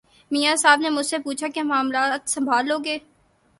میاں صاحب نے مجھ سے پوچھا کہ معاملات سنبھال لو گے۔